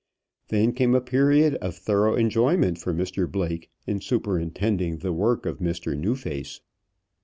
Then came a period of thorough enjoyment for Mr Blake in superintending the work of Mr Newface.